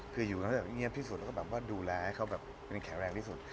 คืออยู่เงียบที่สุดแล้วก็ดูแลให้เขาแข็งแรงที่สุด